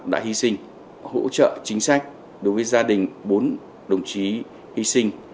đã hy sinh hỗ trợ chính sách đối với gia đình bốn đồng chí hy sinh